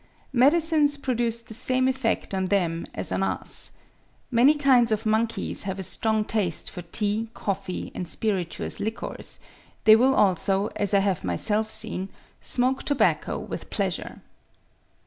Medicines produced the same effect on them as on us. Many kinds of monkeys have a strong taste for tea, coffee, and spiritous liquors: they will also, as I have myself seen, smoke tobacco with pleasure.